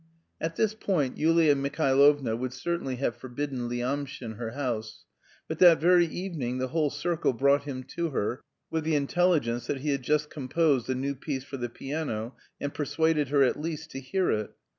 At this point Yulia Mihailovna would certainly have forbidden Lyamshin her house, but that very evening the whole circle brought him to her with the intelligence that he had just composed a new piece for the piano, and persuaded her at least to hear it.